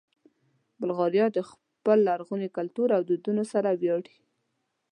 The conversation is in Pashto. بلغاریان د خپل لرغوني کلتور او دودونو سره ویاړي.